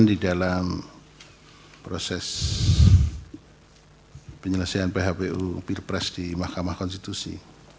di dalam proses penyelesaian phpu pilpres di mahkamah konstitusi